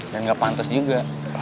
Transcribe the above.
dan gak pantes juga